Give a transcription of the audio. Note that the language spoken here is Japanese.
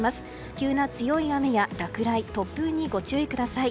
急な強い雨や落雷、突風にご注意ください。